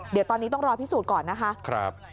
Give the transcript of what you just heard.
เดี๋ยวตอนนี้ต้องรอพิสูจน์ก่อนนะคะ